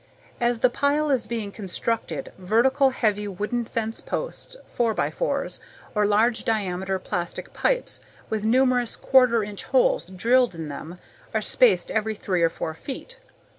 As the pile is being constructed, vertical heavy wooden fence posts, 4 x 4's, or large diameter plastic pipes with numerous quarter inch holes drilled in them are spaced every three or four feet.